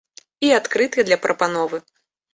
І адкрытыя для прапановы.